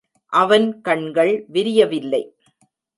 அவன் கண்கள் விரியவில்லை.